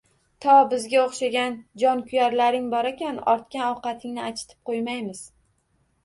To bizga o‘xshagan jonkuyarlaring borakan, ortgan ovqatingni achitib qo‘ymaymiz